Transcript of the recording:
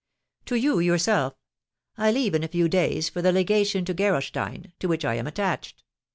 "To you yourself. I leave in a few days for the legation to Gerolstein, to which I am attached.